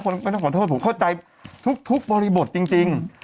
ในทวิตเตอร์